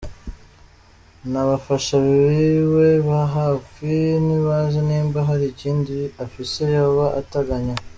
N'abafasha biwe ba hafi, ntibazi nimba hari ikindi afise yoba ateganya.